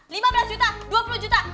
lima belas juta dua puluh juta